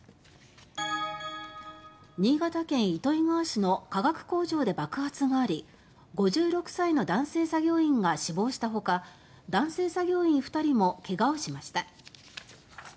新潟県糸魚川市の化学工場で爆発があり５６歳の男性作業員が死亡したほか男性作業員２人もけがをしました。